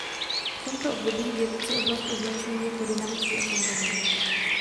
V tomto období vědci oblast označují jako „dynamicky otevřenou“.